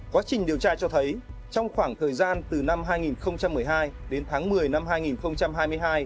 quá trình điều tra cho thấy trong khoảng thời gian từ năm hai nghìn một mươi hai đến tháng một mươi năm hai nghìn hai mươi hai